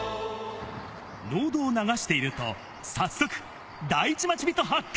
農道を流していると、早速、第一町人発見！